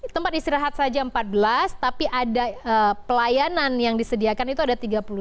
tempat istirahat saja empat belas tapi ada pelayanan yang disediakan itu ada tiga puluh tujuh